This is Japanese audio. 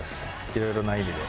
いろいろな意味で。